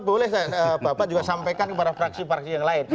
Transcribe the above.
boleh bapak juga sampaikan kepada fraksi fraksi yang lain